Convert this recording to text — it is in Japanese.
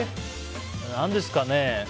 何ですかね。